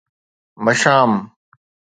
مشام